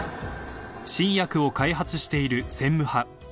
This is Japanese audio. ［新薬を開発している専務派］